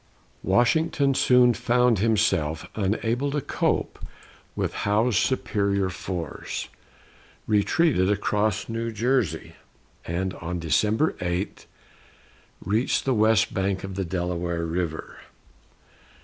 Washington soon found himself unable to cope with Howe's superior force, retreated across New Jersey, and on December 8 reached the west bank of the Delaware River.